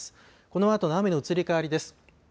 このあとの雨の移り変わりです。